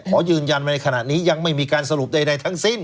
ขอยืนยันว่าในขณะนี้ยังไม่มีการสรุปใดทั้งสิ้น